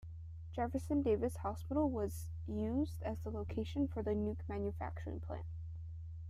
Jefferson Davis Hospital was used as the location for the Nuke manufacturing plant.